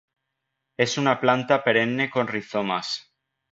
Es una planta perenne con rizomas.